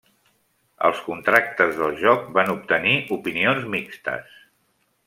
Els contractes del joc van obtenir opinions mixtes.